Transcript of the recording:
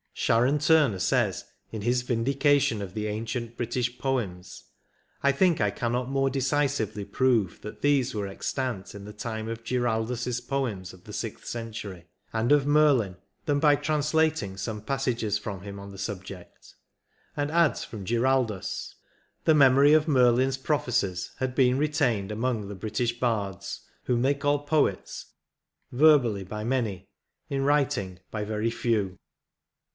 Sharon Turner says, in his •* Vindication of the Ancient British Poems," " I think I cannot more decisively prove that these were extant in the time of Giraldus' poems of the sixth century, and of Merlin, than by translating some passages from him on the subject, and adds from Giraldus, " The memory of Merlin's prophecies had been re tained among the British bards, whom they call poets, verbally by many — in writing by very few."